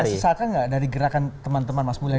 ada sisakan nggak dari gerakan teman teman mas mulya